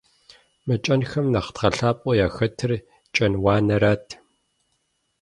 Мы кӀэнхэм нэхъ дгъэлъапӀэу яхэтыр «кӀэнуанэрат».